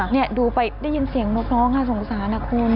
นี่ดูไปได้ยินเสียงมาร้องค่ะสงสารนะคุณ